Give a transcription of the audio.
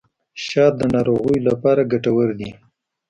شات د ناروغیو لپاره ګټور دي.